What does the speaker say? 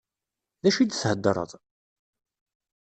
D acu i d-theddṛeḍ?